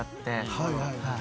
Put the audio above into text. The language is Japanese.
はいはいはい。